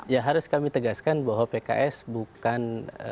ya harus kami tegaskan bahwa pks bukan